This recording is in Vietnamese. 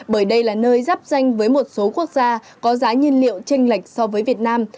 bởi đây là nơi dắp danh với một số quốc gia có giá nhiên liệu tranh lệch so với việt nam